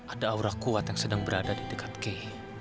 ada aura kuat yang sedang berada di dekat key